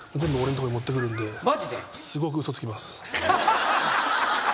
すごく嘘つきます。